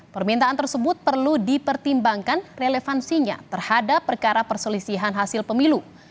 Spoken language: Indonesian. permintaan tersebut perlu dipertimbangkan relevansinya terhadap perkara perselisihan hasil pemilu